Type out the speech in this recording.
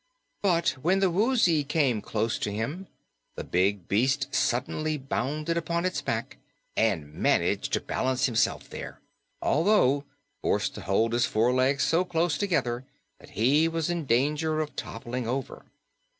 But when the Woozy came close to him, the big beast suddenly bounded upon its back and managed to balance himself there, although forced to hold his four legs so close together that he was in danger of toppling over.